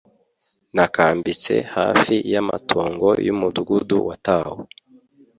Nakambitse hafi y’amatongo y’umudugudu watawe.